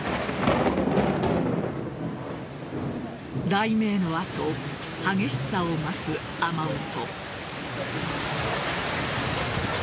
雷鳴の後、激しさを増す雨音。